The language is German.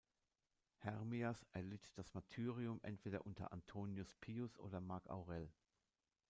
Hermias erlitt das Martyrium entweder unter Antoninus Pius oder Mark Aurel.